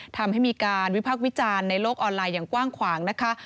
ทำให้มีการวิพักษ์วิจารณ์ในโลกออนไลน์อย่างกว้างขวางนะคะ